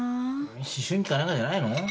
思春期か何かじゃないの？